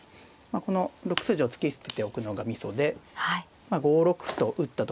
この６筋を突き捨てておくのがみそで５六歩と打った時に。